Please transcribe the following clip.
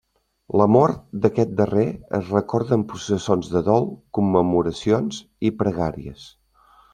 La mort d'aquest darrer es recorda amb processons de dol, commemoracions i pregàries.